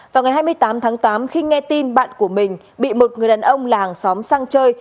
vào ngày hai mươi tám tháng tám khi nghe tin bạn của mình bị một người đàn ông là hàng xóm sang chơi